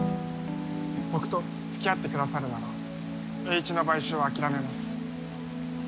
僕と付き合ってくださるならエーイチの買収は諦めます